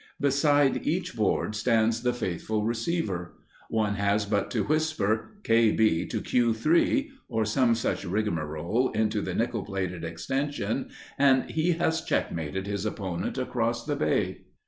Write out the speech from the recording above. Beside each board stands the faithful receiver; one has but to whisper "K.B. to Q.3" or some such rigamarole into the nickel plated "extension" and he has checkmated his opponent across the Bay!